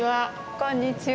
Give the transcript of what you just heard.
こんにちは。